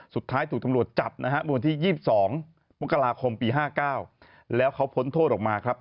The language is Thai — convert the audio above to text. สุดท้ายถูกตำรวจจับนะฮะเมื่อวันที่๒๒มกราคมปี๕๙แล้วเขาพ้นโทษออกมาครับ